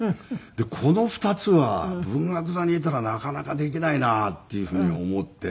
この２つは文学座にいたらなかなかできないなっていう風に思って。